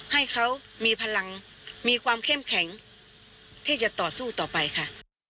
ให้เขามีพลังมีความเข้มแข็งที่จะต่อสู้ต่อไปค่ะ